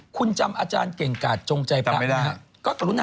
คุณจำอเก่งกัสจงใจพรรย์